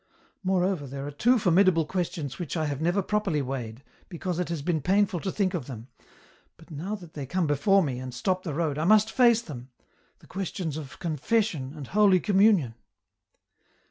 " Moreover, there are two formidable questions which I have never properly weighed, because it has been painful to think of them, but now that they come before me, and stop the road, I must face them, the questions of Confession and Holy Communion.